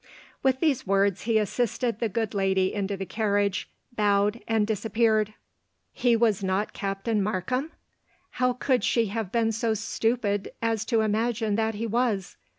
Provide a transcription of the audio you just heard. With these words, he assisted the good lady into the carriage, bowed, and disappeared. He L0D01U.. 297 was not Captain Markham ! How could she have been so stupid as to imagine that he was